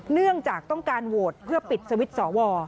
เนื่องจากต้องการโหวตเพื่อปิดสวิตช์สว